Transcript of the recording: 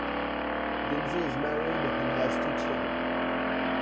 Dinzey is married and has two children.